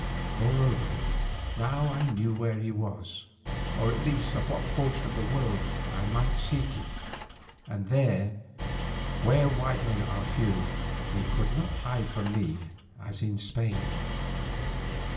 Moreover, now I knew where he was, or at least in what portion of the world I might seek him, and there where white men are few he could not hide from me as in Spain.